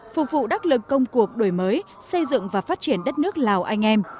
phục vụ đắc lực công cuộc đổi mới xây dựng và phát triển đất nước lào anh em